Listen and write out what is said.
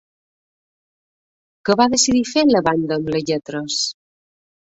Què va decidir fer la banda amb les lletres?